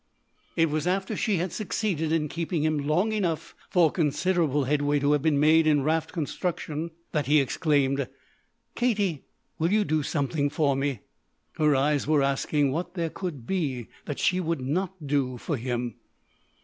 It was after she had succeeded in keeping him long enough for considerable headway to have been made in raft construction that he exclaimed: "Katie, will you do something for me?" Her eyes were asking what there could be that she would not do for him.